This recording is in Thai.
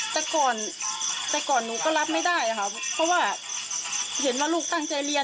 แต่ก่อนแต่ก่อนหนูก็รับไม่ได้ค่ะเพราะว่าเห็นว่าลูกตั้งใจเรียน